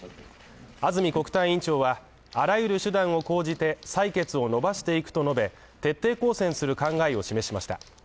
安住国対委員長は、あらゆる手段を講じて採決を伸ばしていくと述べ徹底抗戦する考えを示しました。